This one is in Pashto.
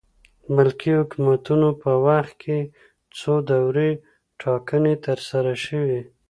ملکي حکومتونو په وخت کې څو دورې ټاکنې ترسره شوې.